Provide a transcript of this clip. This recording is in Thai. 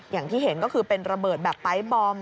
อย่างที่เห็นก็คือเป็นระเบิดแบบไปร์ทบอม